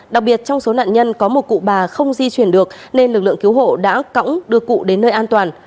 đặc biệt trong số nạn nhân có một cụ bà không di chuyển được nên lực lượng cứu hộ đã cõng đưa cụ đến nơi an toàn